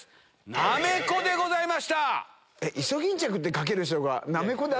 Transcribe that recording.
「なめこ」でございました。